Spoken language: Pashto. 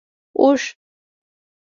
🐪 اوښ